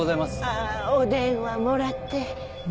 ああお電話もらって。